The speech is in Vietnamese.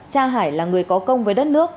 cha hải là người có công với đất nước